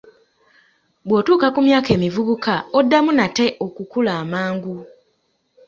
Bw'otuuka ku myaka emivubuka oddamu nate okukula amangu.